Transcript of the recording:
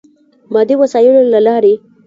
مادي وسایلو له لارې.